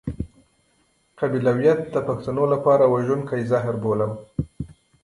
قبيلويت د پښتنو لپاره وژونکی زهر بولم.